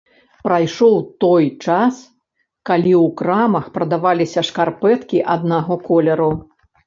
Прайшоў той час, калі у крамах прадаваліся шкарпэткі аднаго колеру.